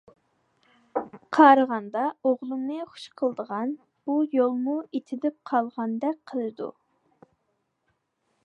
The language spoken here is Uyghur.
قارىغاندا ئوغلۇمنى خۇش قىلىدىغان بۇ يولمۇ ئېتىلىپ قالىدىغاندەك قىلىدۇ.